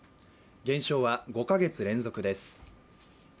減少は５か月連続です。